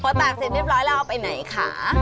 พอตากเสร็จเรียบร้อยแล้วเอาไปไหนคะ